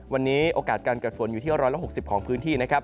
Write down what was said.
วันนี้โอกาสการเกิดฝนอยู่ที่๑๖๐องศาเซลเซียตของพื้นที่นะครับ